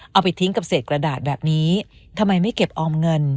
เอาไปทิ้งกับเศษกระดาษแบบนี้ทำไมไม่เก็บออมเงิน